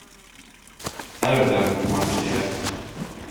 Előteremtsd ma estére!